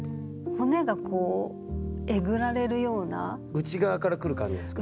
内側からくる感じですか？